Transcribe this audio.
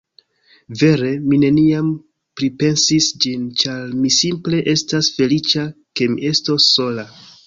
Vere, mi neniam pripensis ĝin, ĉar mi simple estas feliĉa, ke mi estos sola.